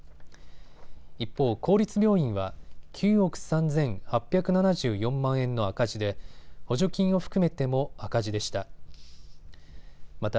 一方、公立病院は９億３８７４万円の赤字で補助金を含めても赤字でした。